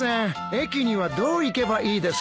駅にはどう行けばいいですか？